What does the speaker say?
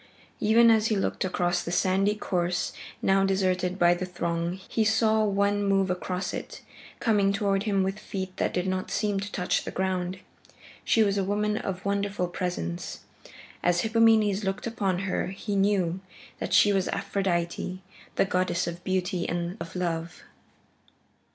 Even as he looked across the sandy course now deserted by the throng, he saw one move across it, coming toward him with feet that did not seem to touch the ground. She was a woman of wonderful presence. As Hippomenes looked upon her he knew that she was Aphrodite, the goddess of beauty and of love.